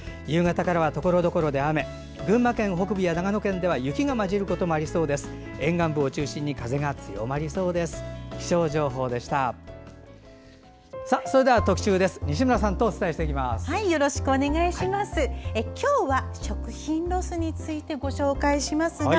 夕方からはところどころで雨群馬県北部や長野県では雪が交じることもありそうです。